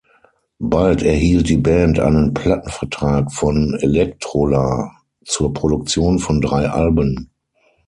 Bald erhielt die Band einen Plattenvertrag von Electrola zur Produktion von drei Alben.